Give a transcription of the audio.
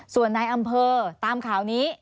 ส่วนในอำเภอตามข่าวนี้